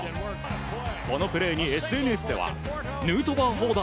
このプレーにＳＮＳではヌートバー砲だ！